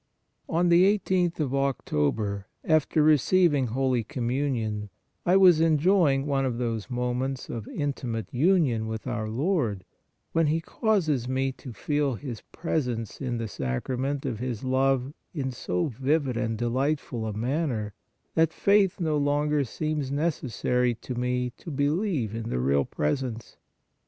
" On the 1 8th of October, after receiving holy Communion, I was enjoying one of those moments of intimate union with our Lord, when He causes me to feel His presence in the Sacrament of His love in so vivid and delightful a manner, that faith no longer seems necessary to me to believe in the Real Presence.